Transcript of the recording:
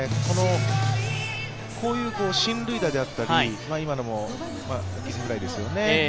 こういう進塁打であったり、今のも犠牲フライですよね。